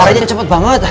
harinya cepet banget